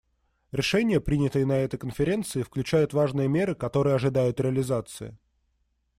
Решения, принятые на этой Конференции, включают важные меры, которые ожидают реализации.